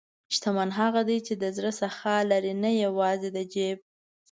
شتمن هغه دی چې د زړه سخا لري، نه یوازې د جیب.